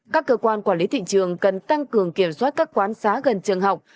các cơ quan quản lý thị trường cần tăng cường kiểm soát các quán xá gần trường học